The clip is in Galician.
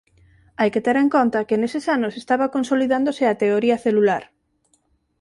Hai que ter en conta que neses anos estaba consolidándose a teoría celular.